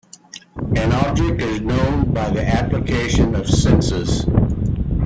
An object is known by the application of senses.